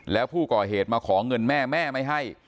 แล้วผู้ก่อเหตุมาขอเงินแม่แม่ไม่ให้